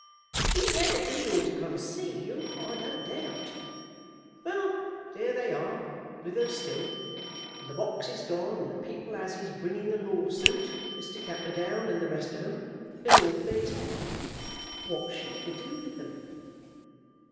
"She's had a deal to conceal, I don't doubt. Well, there they are, with her still, and the box is gone, and the people as is bringing the lawsuit, Mr. Camperdown and the rest of 'em, is off their tack. What's she to do with 'em?"